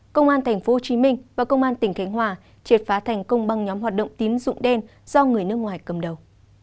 công an tp hcm và công an tỉnh khánh hòa triệt phá thành công băng nhóm hoạt động tín dụng đen do người nước ngoài cầm đầu